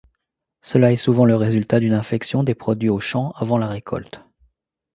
Cela est souvent le résultat d'une infection des produits au champ avant la récolte.